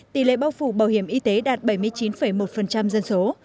tỷ lệ bao phủ bảo hiểm y tế đạt bảy mươi chín một dân số